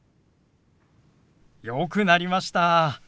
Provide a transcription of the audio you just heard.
よくなりました。